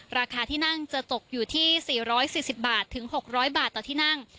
ราคาที่นั่งจะตกอยู่ที่สี่ร้อยสี่สิบบาทถึงหกร้อยบาทต่อที่นั่ง